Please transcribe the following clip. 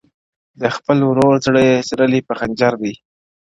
د خپل ورور زړه یې څیرلی په خنجر دی-